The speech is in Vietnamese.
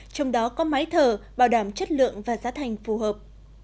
trong đó có máy thở bảo đảm chất lượng và giá thành phù hợp